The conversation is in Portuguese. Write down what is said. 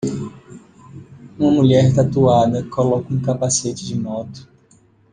Uma mulher tatuada coloca um capacete de moto.